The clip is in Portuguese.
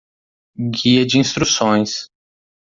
Guia de instruções.